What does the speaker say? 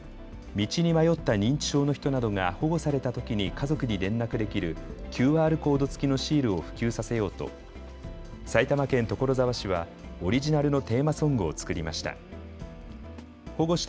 道に迷った認知症の人などが保護されたときに家族に連絡できるＱＲコード付きのシールを普及させようと埼玉県所沢市はオリジナルのテーマソングを作りました。